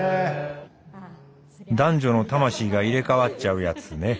男女の魂が入れ代わっちゃうやつね。